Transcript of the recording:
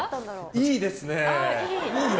いいですねえ。